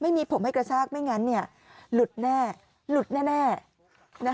ไม่มีผมให้กระซากไม่งั้นเนี่ยหลุดแน่หลุดแน่นะฮะ